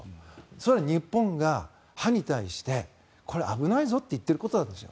それは日本が歯に対してこれ、危ないぞと言っているということなんです。